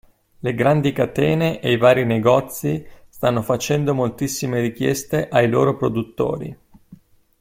Le grandi catene e i vari negozi stanno facendo moltissime richieste ai loro produttori.